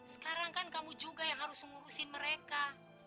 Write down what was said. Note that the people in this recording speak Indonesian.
sekarang kan kamu juga yang harus mengurusin mereka